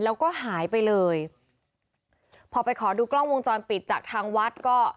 แล้วก็หายไปเลยพอไปขอดูกล้องวงจรปิดจากทางวัดก็